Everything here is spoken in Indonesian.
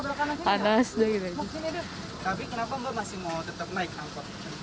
tapi kenapa mbak masih mau tetap naik angkot